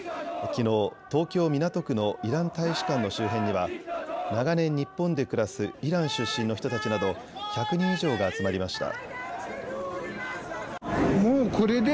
きのう東京港区のイラン大使館の周辺には長年、日本で暮らすイラン出身の人たちなど１００人以上が集まりました。